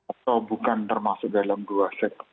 atau bukan termasuk dalam dua set